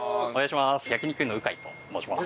焼肉ｕの鵜飼と申します。